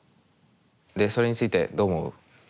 でそれについてどう思う？